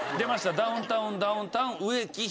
ダウンタウンダウンタウン植木等。